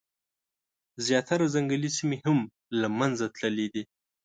زیاتره ځنګلي سیمي هم له منځه تللي دي.